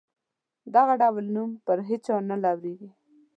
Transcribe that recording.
دغه ډول نوم پر هیچا نه لورېږي.